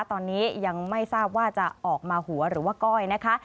ตอนนี้ยังไม่ทราบว่าจะออกมาหัวหรือว่าก้อยนะคะ